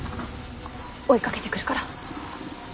追いかけてくるから。